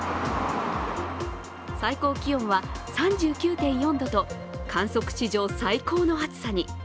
最高気温は３９．４度と観測史上最高の暑さに。